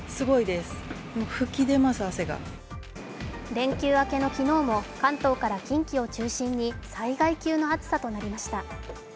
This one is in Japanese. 連休明けの昨日も関東から近畿を中心に災害級の暑さとなりました。